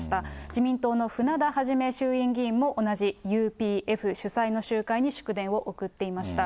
自民党の船田元衆議院議員も同じＵＰＦ主催の集会に祝電を送っていました。